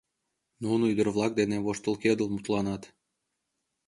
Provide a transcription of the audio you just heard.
Нуно ӱдыр-влак дене воштылкедыл мутланат.